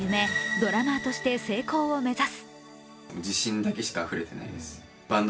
ドラマーとして成功を目指す。